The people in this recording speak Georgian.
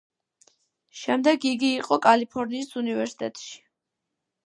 შემდეგ იგი იყო კალიფორნიის უნივერსიტეტში.